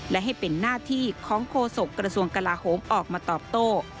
และให้เป็นหน้าที่ของโฆษกระทรวงกลาโหมออกมาตอบโต้